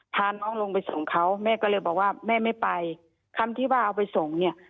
พาน้องลงไปส่งเขาแม่ก็เลยบอกว่าแม่ไม่ไปคำที่ว่าเอาไปส่งเนี่ย